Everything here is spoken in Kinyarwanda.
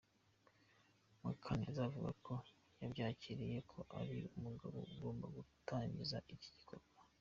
Mukaneza avuga ko yabyakiriye ko ari umugabo ugomba gutangiza iki gikorwa.